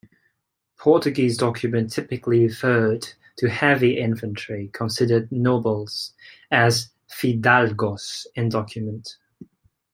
Portuguese documents typically referred to heavy infantry, considered nobles, as "fidalgos" in documents.